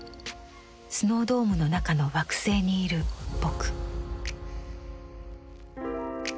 スノードームの中の惑星にいる「ぼく」。